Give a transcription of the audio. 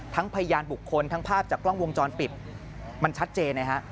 พยานบุคคลทั้งภาพจากกล้องวงจรปิดมันชัดเจนนะฮะ